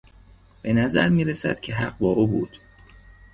به نظر میرسد که حق با او بود.